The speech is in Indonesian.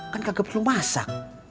kan kaget perlu masak